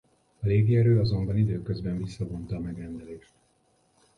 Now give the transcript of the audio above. A légierő azonban időközben visszavonta a megrendelést.